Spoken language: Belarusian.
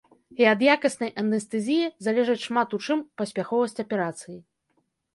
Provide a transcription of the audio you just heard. І ад якаснай анестэзіі залежыць шмат у чым паспяховасць аперацыі.